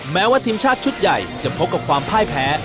แม้ว่าทีมชาติชุดใหญ่จะพบกับความพ่ายแพ้